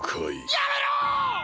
やめろ！